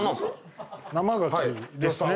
生ガキですね。